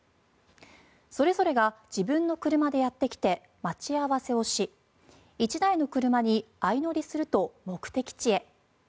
それぞれが自分の車でやってきて待ち合わせをし１台の車に相乗りすると目的地へ。